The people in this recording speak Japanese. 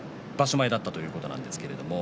前だったということなんです。